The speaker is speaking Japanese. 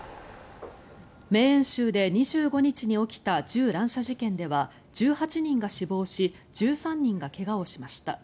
メーン州で２５日に起きた銃乱射事件では１８人が死亡し１３人が怪我をしました。